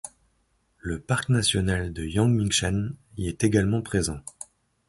Le Parc national de Yangmingshan y est également présent.